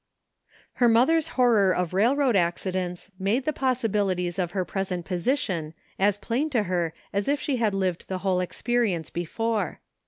Her mother's horror of railroad accidents made the possibilities of her present position as plain to her as if she had lived the whole experience before.